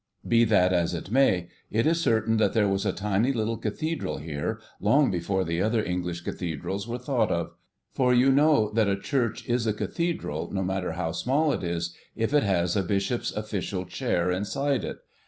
Be this as it may, it is certain that there was a tiny little Cathedral here, long before the other English Cathedrals were thought of, for you know that a church is a Cathedral, no matter how small it is, if it has a Bishop's official chair inside it.